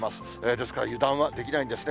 ですから油断はできないんですね。